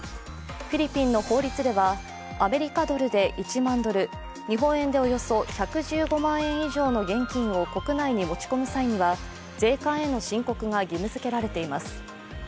フィリピンの法律では、アメリカドルで１万ドル、日本円でおよそ１１５万円以上の現金を国内に持ち込む際には税関への申告が義務付けられています。